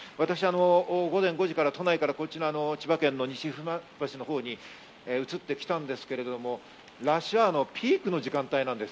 午前５時から都内から千葉県の西船橋のほうに移ってきたんですけれども、ラッシュアワーのピークの時間帯です。